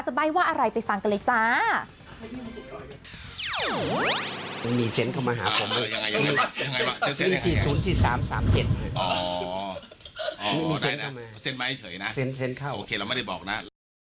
ใบ้ว่าอะไรไปฟังกันเลยจ้า